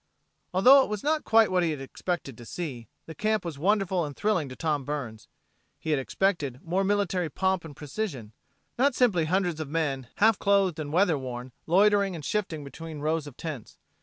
Although it was not quite what he had expected to see, the camp was wonderful and thrilling to Tom Burns. He had expected more military pomp and precision; not simply hundreds of men, half clothed and weather worn, loitering and shifting between rows of tents.